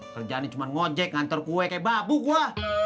kerjaan ini cuma ngojek ngantor kue kayak babu gue